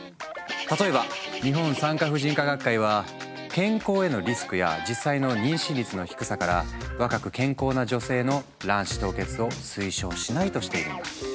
例えば日本産科婦人科学会は健康へのリスクや実際の妊娠率の低さから若く健康な女性の卵子凍結を推奨しないとしているんだ。